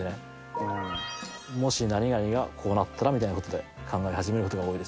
もし何々がこうなったらみたいなことで考え始めることが多いです。